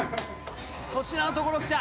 粗品のところ来た！